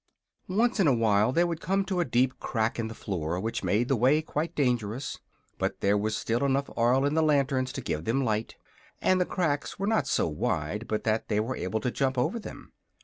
Once in a while they would come to a deep crack in the floor, which made the way quite dangerous; but there was still enough oil in the lanterns to give them light, and the cracks were not so wide but that they were able to jump over them.